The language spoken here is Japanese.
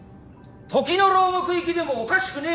時のろう獄行きでもおかしくねぇな！